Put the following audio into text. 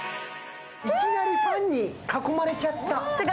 いきなりパンに囲まれちゃった。